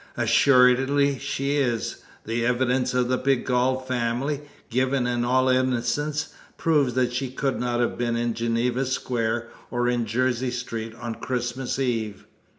"Assuredly she is! The evidence of the Pegall family given in all innocence proves that she could not have been in Geneva Square or in Jersey Street on Christmas Eve."